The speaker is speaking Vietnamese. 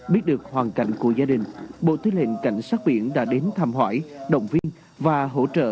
biết được hoàn cảnh của gia đình bộ tư lệnh cảnh sát biển đã đến thăm hỏi động viên và hỗ trợ